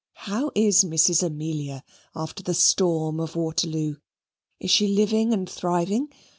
How is Mrs. Amelia after the storm of Waterloo? Is she living and thriving?